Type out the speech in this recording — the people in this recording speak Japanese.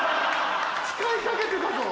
誓いかけてたぞ。